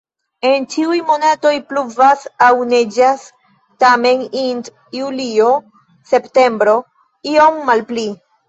En ĉiuj monatoj pluvas aŭ neĝas, tamen int julio-septembro iom malpli.